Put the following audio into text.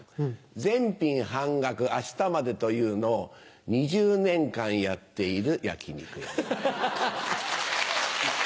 「全品半額明日まで」というのを２０年間やっている焼き肉屋さん。